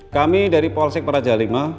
kami dari polsek praja lima